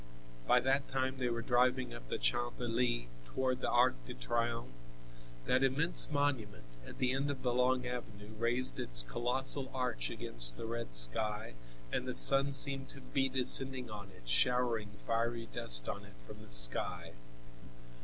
By that time they were driving up the Champs Elysees, toward the Arc de Triomphe. That immense monument, at the end of the long avenue, raised its colossal arch against the red sky and the sun seemed to be descending on it, showering fiery dust on it from the sky.